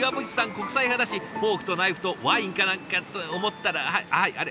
国際派だしフォークとナイフとワインかなんかと思ったらはいあれ？